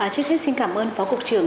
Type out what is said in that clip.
trước hết xin cảm ơn phó cục trưởng